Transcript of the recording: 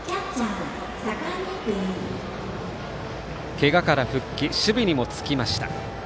けがから復帰守備にもつきました。